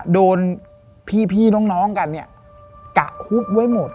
โดนพี่น้องกันเนี่ยกะคุบไว้หมด